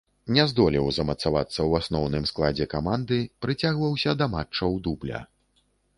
Не здолеў замацавацца ў асноўным складзе каманды, прыцягваўся да матчаў дубля.